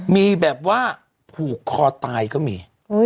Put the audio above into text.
มีแบบว่าผูกคอตายก็มี